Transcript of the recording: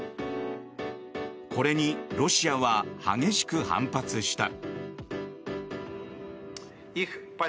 これにロシアは激しく反発した。